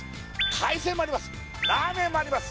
海鮮もあります